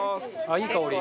いい香り。